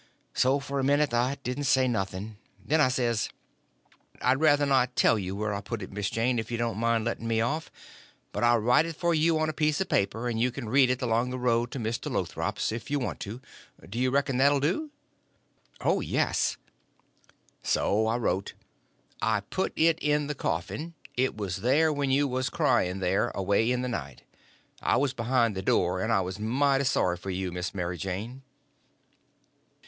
So for a minute I didn't say nothing; then I says: "I'd ruther not tell you where I put it, Miss Mary Jane, if you don't mind letting me off; but I'll write it for you on a piece of paper, and you can read it along the road to Mr. Lothrop's, if you want to. Do you reckon that 'll do?" "Oh, yes." So I wrote: "I put it in the coffin. It was in there when you was crying there, away in the night. I was behind the door, and I was mighty sorry for you, Miss Mary Jane."